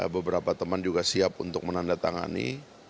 beberapa teman juga siap untuk menanda tangani